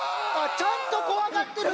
ちゃんとこわがってる！